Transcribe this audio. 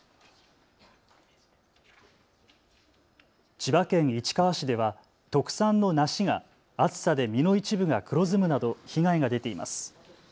千葉県市川市では特産の梨が暑さで実の一部が黒ずむなど被害が出ています。